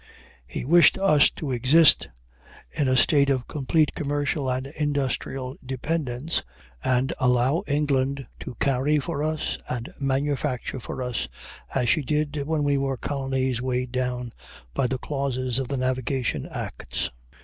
He wished us to exist in a state of complete commercial and industrial dependence, and allow England to carry for us and manufacture for us, as she did when we were colonies weighed down by the clauses of the navigation acts.